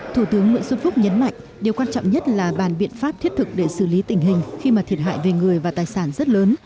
thủ tướng nguyễn xuân phúc nhấn mạnh điều quan trọng nhất là bàn biện pháp thiết thực để xử lý tình hình khi mà thiệt hại về người và tài sản rất lớn